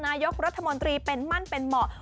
นายกรัฐมนตรีเป็นมั่นเป็นเหมาะ